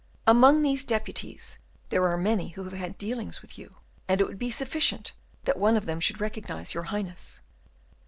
"Among these deputies there are many who have had dealings with you, and it would be sufficient, that one of them should recognize your Highness."